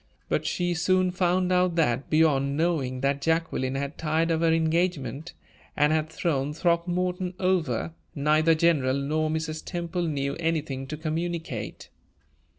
But she soon found out that, beyond knowing that Jacqueline had tired of her engagement and had thrown Throckmorton over, neither General nor Mrs. Temple knew anything to communicate.